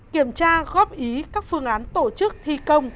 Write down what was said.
kiểm tra góp ý các phương án tổ chức thi công